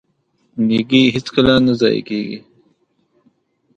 نیکي هیڅکله نه ضایع کیږي.